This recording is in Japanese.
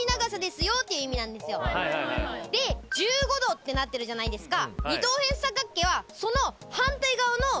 で１５度ってなってるじゃないですか。